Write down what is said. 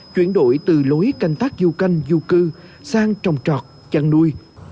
chuyển đổi từ lối canh tác du canh du cư sang trồng trọt chăn nuôi